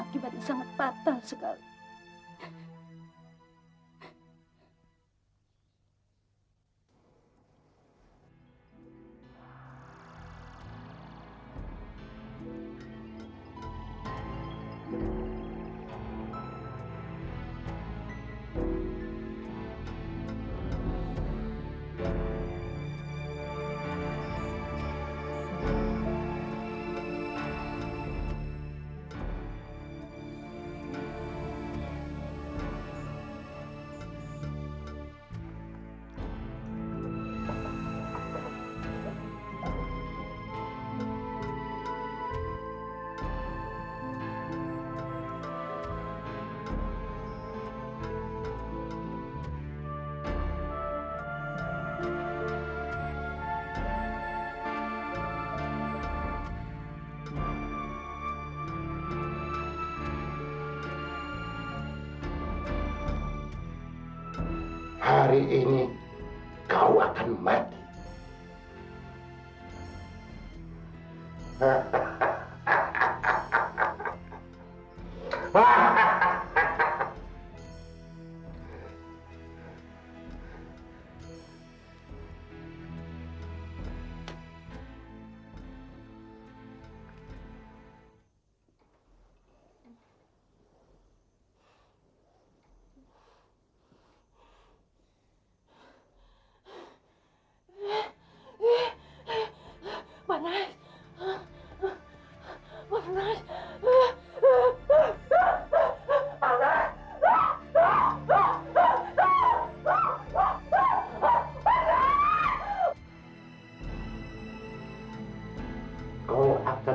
kau akan mati